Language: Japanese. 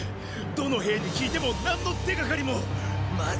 どの兵に聞いても何の手がかりもっ！